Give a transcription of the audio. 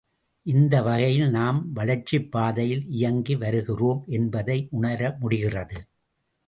இந்த வகையில் நாம் வளர்ச்சிப் பாதையில் இயங்கி வருகிறோம் என்பதை உணரமுடிகிறது.